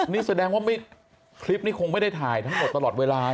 นี่แสดงว่าคลิปนี้คงไม่ได้ถ่ายทั้งหมดตลอดเวลา